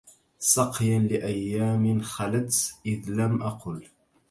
سقيا لأيام خلت إذ لم أقل